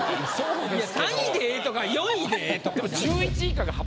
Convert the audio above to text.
３位でええとか４位でええとかさ。